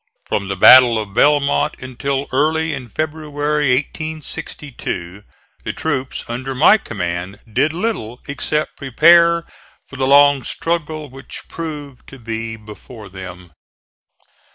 From the battle of Belmont until early in February, 1862, the troops under my command did little except prepare for the long struggle which proved to be before them.